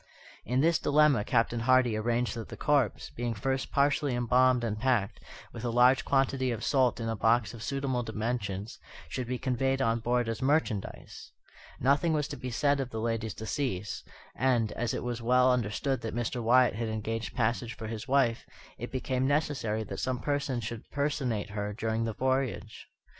In this dilemma Captain Hardy arranged that the corpse, being first partially embalmed and packed, with a large quantity of salt in a box of suitable dimensions, should be conveyed on board as merchandise. Nothing was to be said of the lady's decease; and, as it was well understood that Mr. Wyatt had engaged passage for his wife, it became necessary that some person should personate her during the voyage.